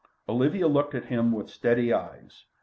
Olivia looked at him with steady eyes.